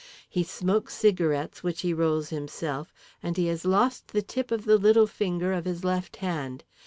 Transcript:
He smokes cigarettes, which he rolls himself, and he has lost the tip of the little finger of his left hand.